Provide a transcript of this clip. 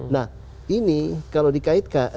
nah ini kalau dikaitkan